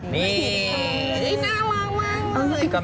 นี่น่ารักมาก